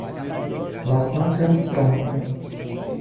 Nós não temos pão